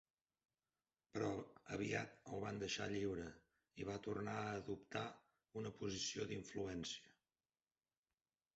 Però aviat el van deixar lliure i va tornar a adoptar una posició d'influència.